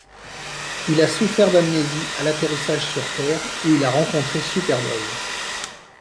Il a souffert d'amnésie à l'atterrissage sur terre, où il a rencontré Superboy.